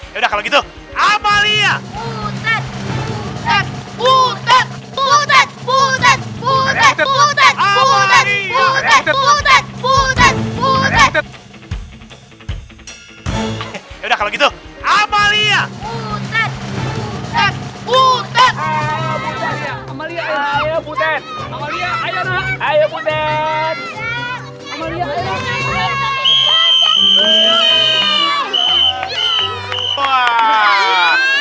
yaudah kalo gitu amalia butat butat butat